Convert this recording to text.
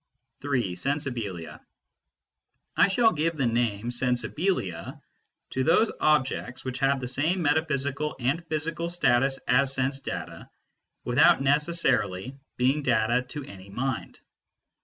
III. SENSIBILIA I shall give the name sensibilia to those objects which have the same metaphysical and physical status as sense data, without necessarily being data to any mind.